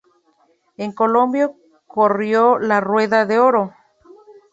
En Colombia corrió La Rueda de Oro.